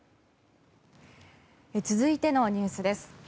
続いてのニュースです。